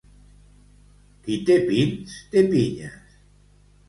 Qui té pins, té pinyes.